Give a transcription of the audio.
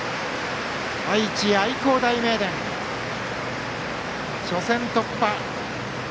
愛知・愛工大名電が初戦突破。